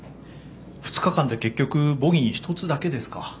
２日間で結局ボギー１つだけですか。